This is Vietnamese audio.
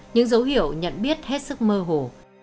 những dấu hiệu nhận biết hết sức mơ hồ